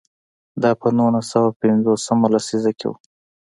دا په نولس سوه پنځوس مه لسیزه کې و.